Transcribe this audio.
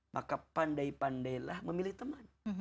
maka pandai pandailah memilih teman